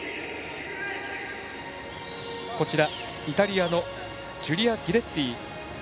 イタリアのジュリア・ギレッティ。